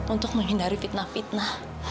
untuk menghindari fitnah fitnah